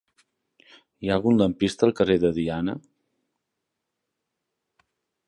Hi ha algun lampista al carrer de Diana?